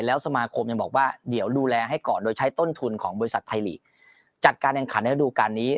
แล้วสมาคมยังบอกว่าเดี๋ยวดูแลให้ก่อนโดยใช้ต้นทุนของบริษัทไทยลีกจัดการแข่งขันในระดูการนี้